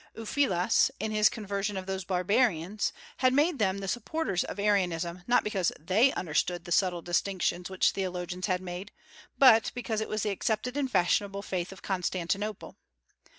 Ulfilas, in his conversion of those barbarians, had made them the supporters of Arianism, not because they understood the subtile distinctions which theologians had made, but because it was the accepted and fashionable faith of Constantinople.